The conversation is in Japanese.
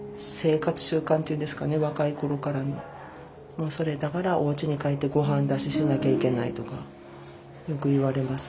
もうそれだからおうちに帰ってごはん出ししなきゃいけないとかよく言われます。